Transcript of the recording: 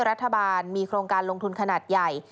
รัฐบาลมีโครงการลงทุนขนาดใหญ่